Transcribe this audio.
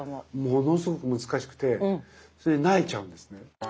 ものすごく難しくてそれで萎えちゃうんですね。